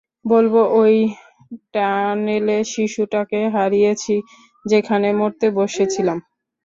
বলব ঐ টানেলে শিশুটাকে হারিয়েছি, যেখানে মরতে বসেছিলাম?